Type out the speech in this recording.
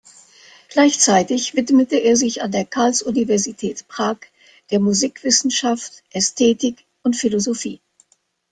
Gleichzeitig widmete er sich an der Karls-Universität Prag der Musikwissenschaft, Ästhetik und Philosophie.